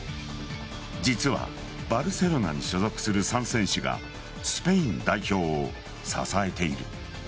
実はバルセロナに所属する３選手がスペイン代表を支えている。